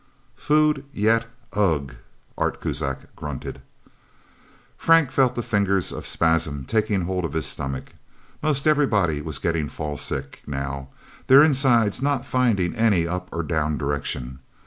"Food, yet ugh!" Art Kuzak grunted. Frank felt the fingers of spasm taking hold of his stomach. Most everybody was getting fall sick, now, their insides not finding any up or down direction.